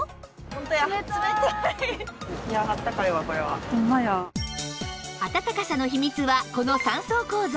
あたたかさの秘密はこの３層構造